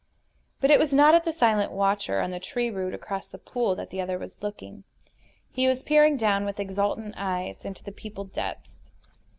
But it was not at the silent watcher on the tree root across the pool that the other was looking. He was peering down, with exultant eyes, into the peopled depths.